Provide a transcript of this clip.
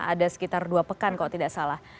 ada sekitar dua pekan kalau tidak salah